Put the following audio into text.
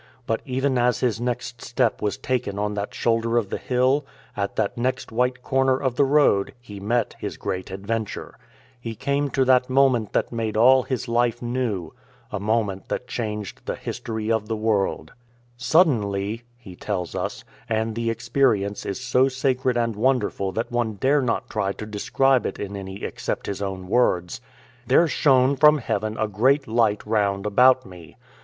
But even as his next step was taken on that shoulder of the hill, " At that next white corner of the road," he met his great adventure — he came to that moment that made all his life new — a moment that changed the history of the world, " Suddenly," he tells us (and the experience is so sacred and wonderful that one dare not try to describe it in any except his own words), "there shone from heaven a great light round about me.